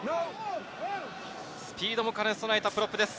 スピードも兼ね備えたプロップです。